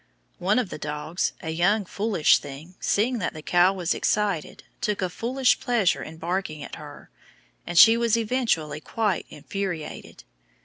One of the dogs, a young, foolish thing, seeing that the cow was excited, took a foolish pleasure in barking at her, and she was eventually quite infuriated.